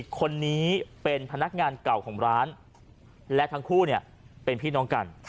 คนนี้เป็นพนักงานเก่าของร้านและทั้งคู่เป็นพี่น้องกัน